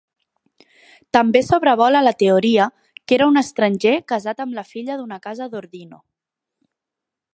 També sobrevola la teoria que era un estranger casat amb la filla d'una casa d'Ordino.